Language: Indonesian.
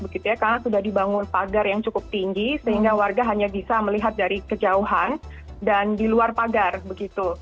karena sudah dibangun pagar yang cukup tinggi sehingga warga hanya bisa melihat dari kejauhan dan di luar pagar begitu